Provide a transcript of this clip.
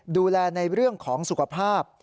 ดูแลในเรื่องของสุขภาพ